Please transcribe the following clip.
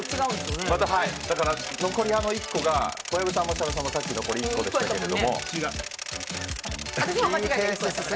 小籔さんも設楽さんもさっき残り１個でしたけど。